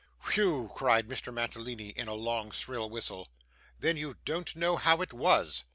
'Whew!' cried Mr. Mantalini in a long shrill whistle. 'Then don't you know how it was?